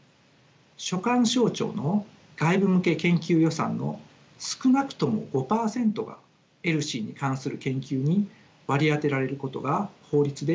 所管省庁の外部向け研究予算の少なくとも５％がＥＬＳＩに関する研究に割り当てられることが法律で定められました。